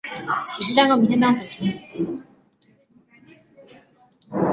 起司蛋糕明天当早餐